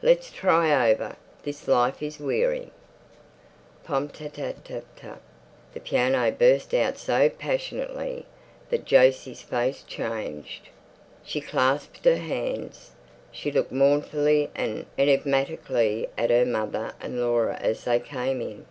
Let's try over 'This life is Weary.'" Pom! Ta ta ta Tee ta! The piano burst out so passionately that Jose's face changed. She clasped her hands. She looked mournfully and enigmatically at her mother and Laura as they came in.